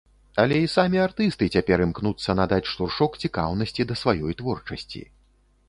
Але і самі артысты цяпер імкнуцца надаць штуршок цікаўнасці да сваёй творчасці.